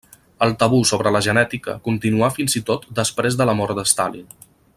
El tabú sobre la genètica continuà fins i tot després de la mort de Stalin.